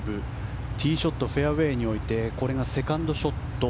ティーショットをフェアウェーに置いてセカンドショット。